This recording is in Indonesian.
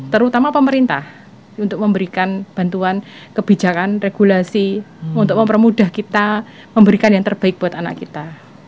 terutama pemerintah untuk memberikan bantuan kebijakan regulasi untuk mempermudah kita memberikan yang terbaik buat anak kita